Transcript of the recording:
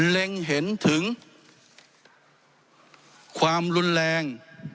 เล็งเห็นถึงความรุนแรง